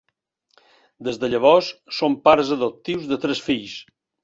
Des de llavors són pares adoptius de tres fills.